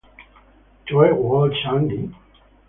Choe-Wall, Yang-hi.